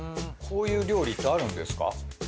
こういう料理ってあるんですか？